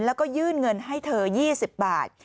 แล้วก็ยื่นเงินให้เธอ๒๐บาท